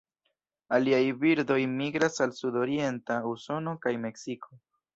Aliaj birdoj migras al sudorienta Usono kaj Meksiko.